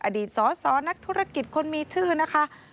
อดีตสสนักธุรกิจคนมีชื่อนะคะ